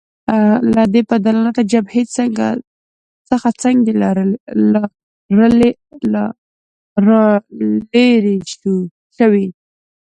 له دې پدرلعنته جبهې څخه څنګه رالیري شوې؟